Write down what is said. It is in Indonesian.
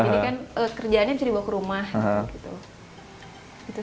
jadi kan kerjaannya bisa dibawa ke rumah gitu